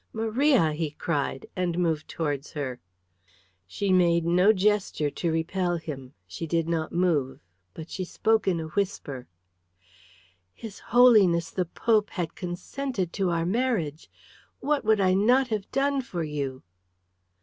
"Maria!" he cried, and moved towards her. She made no gesture to repel him, she did not move, but she spoke in a whisper. "His Holiness the Pope had consented to our marriage. What would I not have done for you?"